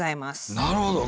なるほど。